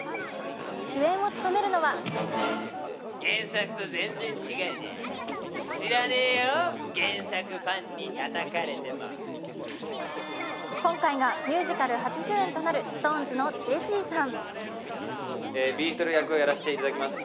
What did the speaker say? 主演を務めるのは今回がミュージカル初主演となるＳｉｘＴＯＮＥＳのジェシーさん。